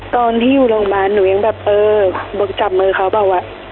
ตอนที่อยู่โรงพยาบาลหนูยังแบบเออจับมือเขาเปล่าวะ